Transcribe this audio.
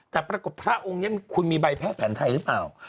แต่พระกฎพระองค์มีแบบแพทย์แผนไทยหรือเปล่า